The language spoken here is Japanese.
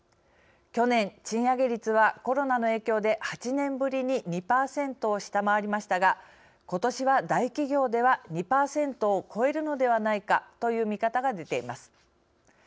去年、賃上げ率はコロナの影響で８年ぶりに２％を下回りましたがことしは、大企業では２％を超えるのではないかという見方が出ています。